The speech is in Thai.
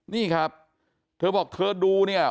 นี่ครับเธอบอกเธอดูเนี่ย